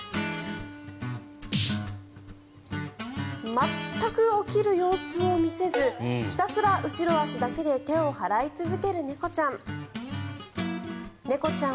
全く起きる様子を見せずひたすら後ろ足だけで手を払い続ける猫ちゃん。